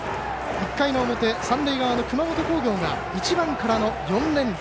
１回の表、三塁側の熊本工業が１番からの４連打。